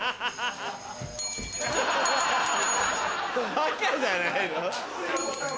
バカじゃないの。